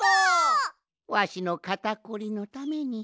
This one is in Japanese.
わしのかたこりのために。